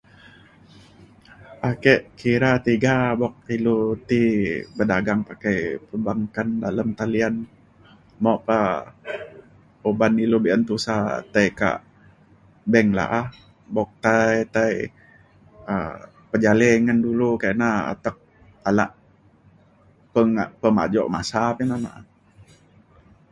ake kira tiga buk ilu ti bedagang pakai perbankan dalem talian mok pa uban ilu be’un tusa tai kak bank la’a buk tai tai um pejalei ngan dulu kina atek alak pema- pemajok masa pa ina na’a